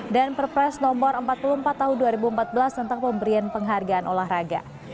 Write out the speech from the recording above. dan perpres no empat puluh empat tahun dua ribu empat belas tentang pemberian penghargaan olahraga